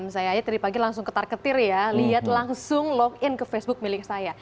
saya aja tadi pagi langsung ketar ketir ya lihat langsung login ke facebook milik saya